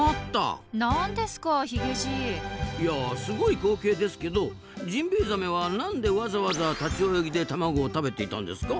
いやすごい光景ですけどジンベエザメは何でわざわざ立ち泳ぎで卵を食べていたんですか？